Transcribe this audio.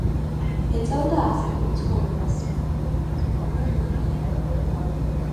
ეწეოდა ასკეტურ ცხოვრებას.